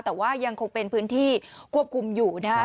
แต่ว่ายังคงเป็นพื้นที่ควบคุมอยู่นะครับ